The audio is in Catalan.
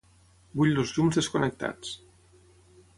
Vull els llums desconnectats.